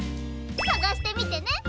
さがしてみてね！